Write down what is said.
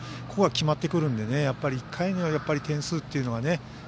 ここが決まってくるので１回に点数というのはね。